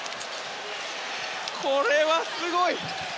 これはすごい！